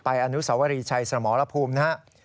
อนุสวรีชัยสมรภูมินะครับ